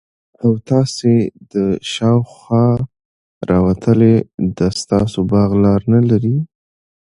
او تاسي ته دشاخوا راوتلي ده ستاسو باغ لار نلري